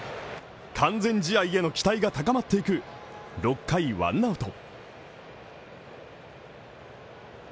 完全試合への期待が高まっていく、６回１アウト。